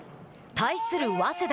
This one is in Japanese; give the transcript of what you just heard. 対する早稲田。